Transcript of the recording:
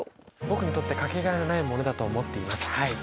僕にとってかけがえのないものだと思っていますはい。